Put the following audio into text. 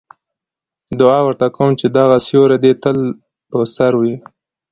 دعا ورته کوم چې دغه سیوری دې تل په سر وي.